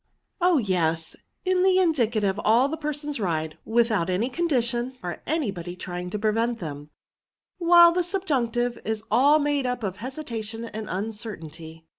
" Oh ! yes ; in the indicative, all the persons ride, without any condition, or any body try ing to prevent them, wKile the subjunctive is all made up of hesitation and uncertainty."